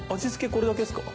これだけっすか？